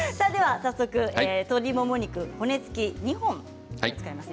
早速、鶏もも肉骨付き２本使いますね。